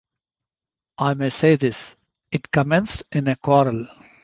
I may say this; it commenced in a quarrel.